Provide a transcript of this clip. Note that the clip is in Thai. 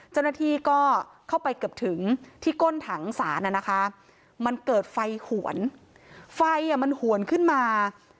เจ้าหน้าที่ก็เข้าไปเกือบถึงที่ก้นถังศาลน่ะนะคะมันเกิดไฟหวนไฟมันหวนขึ้นมา